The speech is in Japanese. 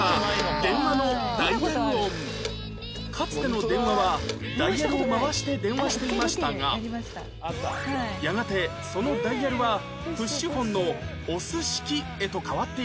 かつての電話はダイヤルを回して電話していましたがやがてそのダイヤルはプッシュホンの押す式へと変わっていきました